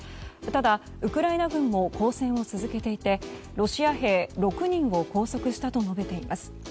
ただ、ウクライナ軍も抗戦を続けていてロシア兵６人を拘束したと述べています。